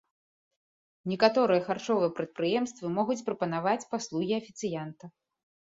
Некаторыя харчовыя прадпрыемствы могуць прапанаваць паслугі афіцыянта.